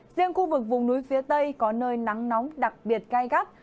riêng khu vực vùng núi phía tây có nơi nắng nóng đặc biệt gai gắt